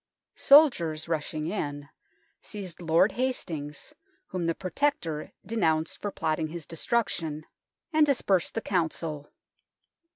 Soldiers, rushing in, seized Lord Hastings, whom the Protector denounced for plotting his destruction, and dispersed the 34 THE TOWER OF LONDON Council.